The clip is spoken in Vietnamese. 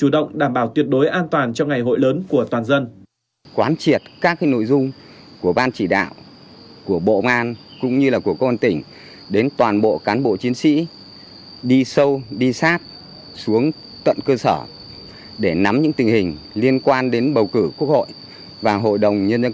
đối an toàn cho ngày hội lớn của toàn dân